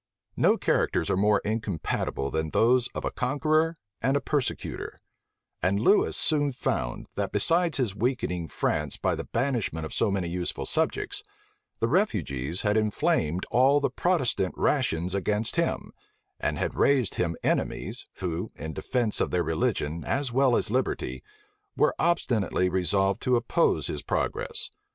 No characters are more incompatible than those of a conqueror and a persecutor; and Lewis soon found, that besides his weakening France by the banishment of so many useful subjects, the refugees had inflamed all the Protestant rations against him, and had raised him enemies, who, in defence of their religion as well as liberty, were obstinately resolved to oppose his progress.